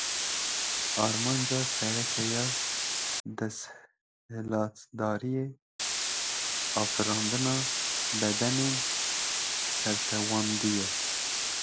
Armanca sereke ya desthilatdariyê, afirandina bedenên sertewandî ye.